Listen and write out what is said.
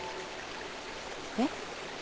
えっ？